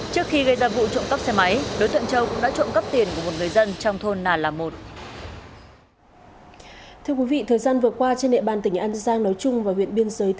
trước khi gây ra vụ trụng cấp xe máy đối tượng châu cũng đã trụng cấp tiền của một người dân trong thôn nà là một